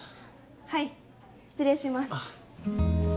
はい失礼します。